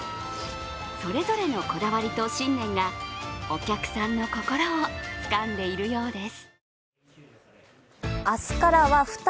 それぞれのこだわりと信念がお客さんの心をつかんでいるようです。